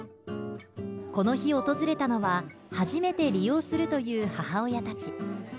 この日、訪れたのは初めて利用するという母親たち。